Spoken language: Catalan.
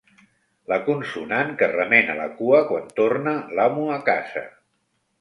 La consonant que remena la cua quan torna l'amo a casa.